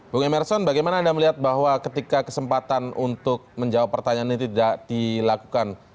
bung emerson bagaimana anda melihat bahwa ketika kesempatan untuk menjawab pertanyaan ini tidak dilakukan